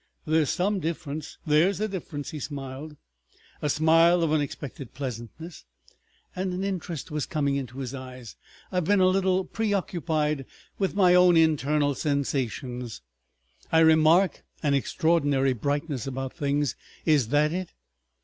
"There's some difference———" "There's a difference." He smiled, a smile of unexpected pleasantness, and an interest was coming into his eyes. "I've been a little preoccupied with my own internal sensations. I remark an extraordinary brightness about things. Is that it?"